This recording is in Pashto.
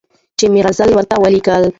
چي مي غزلي ورته لیکلې